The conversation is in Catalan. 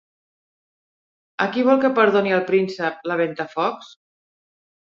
A qui vol que perdoni el príncep la Ventafocs?